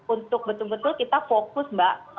untuk betul betul kita fokus mbak